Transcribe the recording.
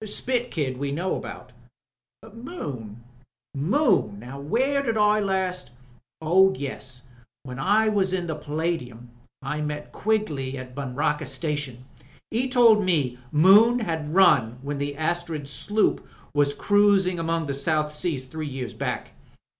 Spit Kid we know about." "Moon — Moon! Now where did I last ...? Oh yes, when I was in the Palladium ! I met Quigley at Buncrana Station. He told me Moon 'ad run when the Astriid sloop was cruising among the South Seas three years back.